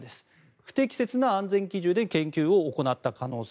不適切な安全基準で研究を行った可能性。